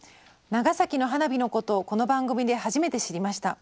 「長崎の花火のことをこの番組で初めて知りました。